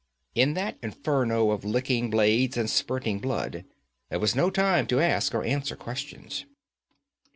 In that inferno of licking blades and spurting blood there was no time to ask or answer questions.